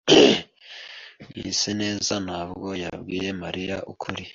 Mwiseneza ntabwo yabwiye Mariya ukuri.